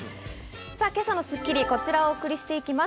今朝の『スッキリ』はこちらをお送りしていきます。